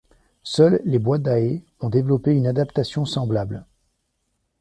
Seuls les Boidae ont développé une adaptation semblable.